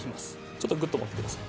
ちょっとグッと持ってください